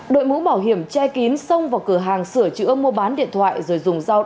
đội mũ bảo hiểm che kín xông vào cửa hàng sửa chữa mua bán điện thoại rồi dùng dao